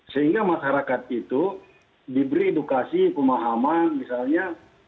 sehingga masyarakat itu diberi edukasi pemahaman misalnya